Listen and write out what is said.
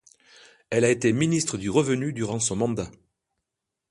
Elle a été Ministre du Revenu durant son mandat.